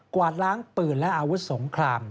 วาดล้างปืนและอาวุธสงคราม